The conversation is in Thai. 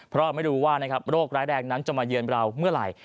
เพราะเราไม่รู้ว่าโรคร้ายแรงนั้นจะมาเยือนเราเมื่อไหร่